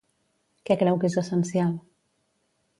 Què creu que és essencial?